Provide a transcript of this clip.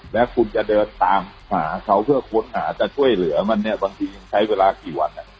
แล้วคุณจะเดินตามหาเขาเพื่อค้นหาจะช่วยเหลือมันเนี่ยบางทีใช้เวลากี่วัน